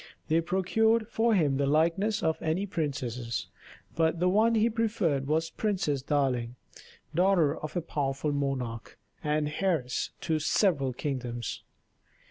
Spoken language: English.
They procured for him the likenesses of many princesses, but the one he preferred was Princess Darling, daughter of a powerful monarch and heiress to several kingdoms.